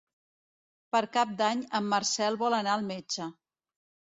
Per Cap d'Any en Marcel vol anar al metge.